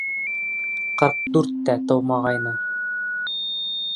Ҡырҡ дүрт тә тыумағайны.